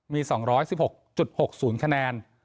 มี๒๑๖๖๐คะแนน